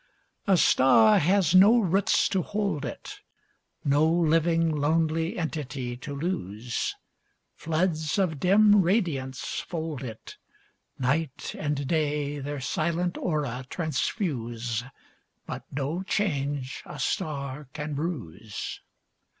A star has do roots to hold it, No living lonely entity to lose. Floods of dim radiance fold it ; Night and day their silent aura transfuse, But no change a star oan bruise.